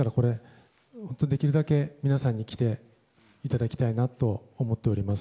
できるだけ皆さんに来ていただきたいなと思っております。